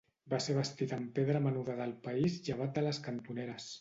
Va ser bastit amb pedra menuda del país llevat de les cantoneres.